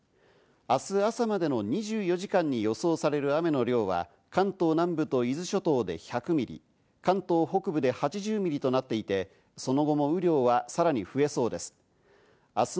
明日朝までの２４時間に予想される雨の量は関東南部と伊豆諸島で１００ミリ、関東北部で８０ミリとなっていって、その後も雨量はさらに増えそうです。